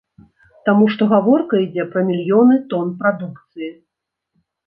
Таму што гаворка ідзе пра мільёны тон прадукцыі.